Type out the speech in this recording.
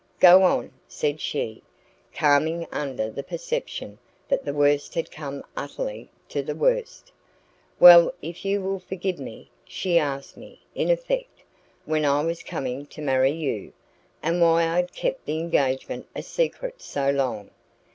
"Go on," said she, calming under the perception that the worst had come utterly to the worst. "Well, if you will forgive me she asked me, in effect, when I was coming to marry you, and why I had kept the engagement a secret so long."